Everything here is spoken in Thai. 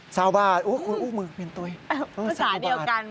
ศาลบาทตัวตาเดียวกัน